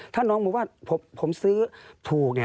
ถ้าน้องบอกว่าผมซื้อถูก